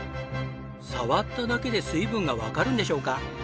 触っただけで水分がわかるんでしょうか？